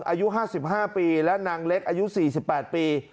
อายุห้าสิบห้าปีและนางเล็กอายุสี่สิบแปดปี